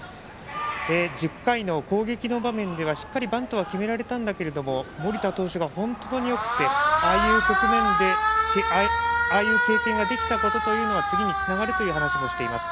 １０回の攻撃の場面ではしっかりバントは決められたが盛田投手が本当によくてああいう局面でああいう経験ができたことは次につながるという話もしています。